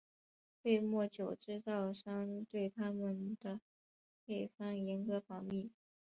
威末酒制造商对他们的配方严格保密。